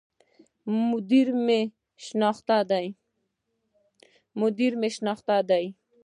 مدير مي شناخته دی